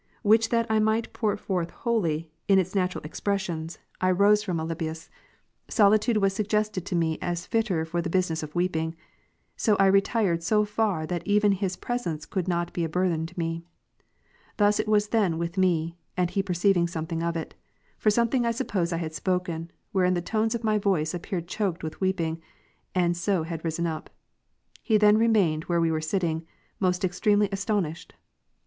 Which that I might pour forth wholly, in its natural expressions, I rose Voice from heaven, which completes Auf/.^s conversion. 153 from Alypius : solitude was suggested to me as fitter for the business of weeping ; so I retired so far that even his pre sence could not be a burthen to me. Thus was it then with me, and he perceived something of it; for something I suppose I had spoken, wherein the tones of my voice appeared choked with weeping, and so had risen up. He then remained where we were sitting, most extremely astonished.